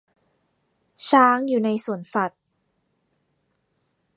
ช้างอยู่ในสวนสัตว์